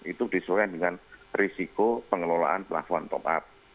itu disuai dengan risiko pengelolaan pelakuan top up